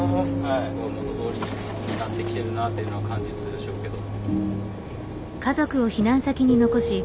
元どおりになってきてるなっていうのは感じるでしょうけど。